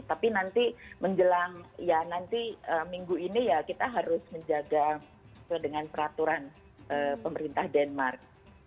tapi nanti minggu ini kita harus menjaga dengan peraturan pemerintah denmark